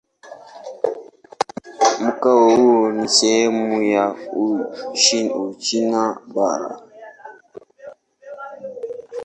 Mkoa huu ni sehemu ya Uchina Bara.